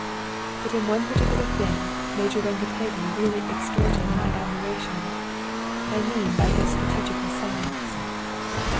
But in one particular thing Major Rengetegi really extorted my admiration, I mean by his strategical science."